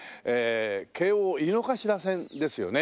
京王井の頭線ですよね。